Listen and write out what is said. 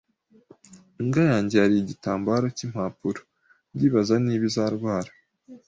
Imbwa yanjye yariye igitambaro cyimpapuro. Ndibaza niba azarwara